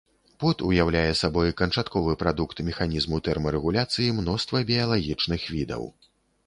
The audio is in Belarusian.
Пот уяўляе сабой канчатковы прадукт механізму тэрмарэгуляцыі мноства біялагічных відаў.